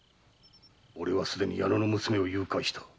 おれはすでに矢野の娘を誘拐した。